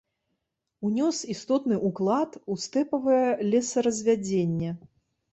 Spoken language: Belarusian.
Унёс істотны ўклад у стэпавае лесаразвядзенне.